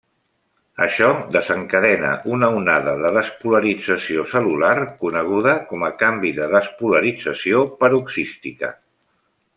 Això desencadena una onada de despolarització cel·lular coneguda com a canvi de despolarització paroxística.